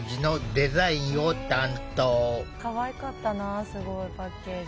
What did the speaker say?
かわいかったなすごい。パッケージ。